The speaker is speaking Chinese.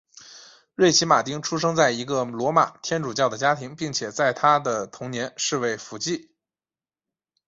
瑞奇马汀出生在一个罗马天主教的家庭并且在他的童年是位辅祭。